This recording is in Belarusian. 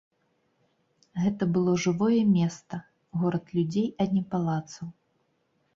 Гэта было жывое места, горад людзей, а не палацаў.